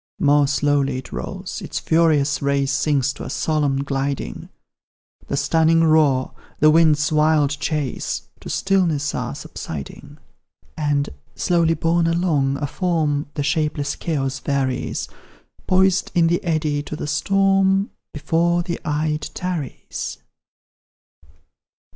More slow it rolls; its furious race Sinks to its solemn gliding; The stunning roar, the wind's wild chase, To stillness are subsiding. And, slowly borne along, a form The shapeless chaos varies; Poised in the eddy to the storm, Before the eye it tarries.